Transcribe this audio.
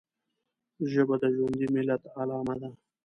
ژبه د ژوندي ملت علامه ده